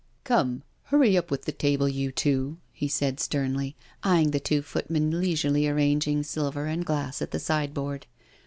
" Come, hurry up with that table, you two," he said, sternly eyeing the two footmen leisurely arranging silver and glass at the sideboard.